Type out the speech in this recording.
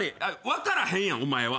分からへんやんお前は。